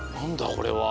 これは。